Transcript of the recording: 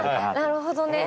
なるほどね。